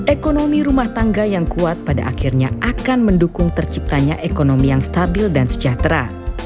ekonomi rumah tangga yang kuat pada akhirnya akan mendukung terciptanya ekonomi yang stabil dan sejahtera